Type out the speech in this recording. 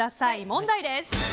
問題です。